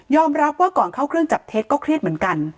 รับว่าก่อนเข้าเครื่องจับเท็จก็เครียดเหมือนกัน